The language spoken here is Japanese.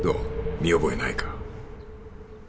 見覚えないか？